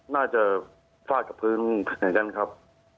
น่าจะฟาดกับพื้นเหมือนกันครับ